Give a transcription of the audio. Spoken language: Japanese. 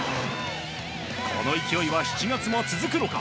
この勢いは７月も続くのか。